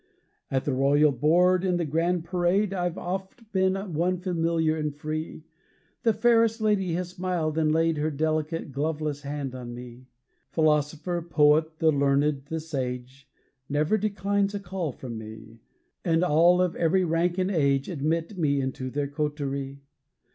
At the royal board, in the grand parade, I've oft been one familiar and free: The fairest lady has smiled, and laid Her delicate, gloveless hand on me. Philosopher, poet, the learned, the sage, Never declines a call from me; And all, of every rank and age. Admit me into their coteri.